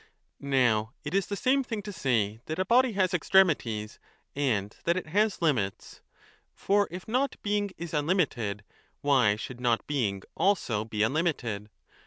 Now it is the same thing to say that a body has extremities, and that it has limits ...* For if 25 Not being is unlimited, why should not Being also be unlimited